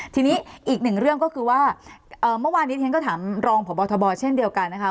ทีนี้อีกหนึ่งเรื่องก็คือว่าเมื่อวานนี้ที่ฉันก็ถามรองพบทบเช่นเดียวกันนะคะ